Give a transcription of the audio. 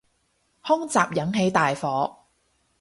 空襲引起大火